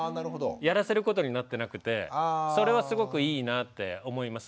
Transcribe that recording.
やらせることになってなくてそれはすごくいいなって思います。